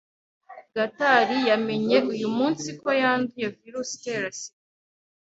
Gatari yamenye uyu munsi ko yanduye virusi itera sida.